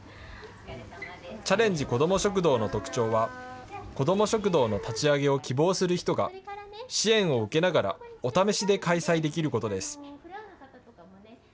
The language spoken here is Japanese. チャレンジこども食堂の特徴は、こども食堂の立ち上げを希望する人が支援を受けながら、お試しで開催できることです。